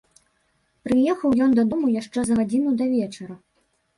Прыехаў ён дадому яшчэ за гадзіну да вечара.